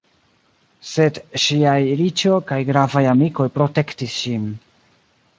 Sed ŝiaj riĉo kaj gravaj amikoj protektis ŝin.